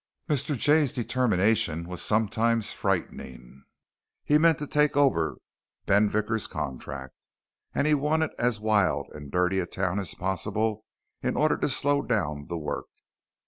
Mr. Jay's determination was sometimes frightening. He meant to take over Ben Vickers' contract, and he wanted as wild and dirty a town as possible in order to slow down the work.